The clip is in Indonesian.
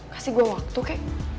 kasih gue waktu oke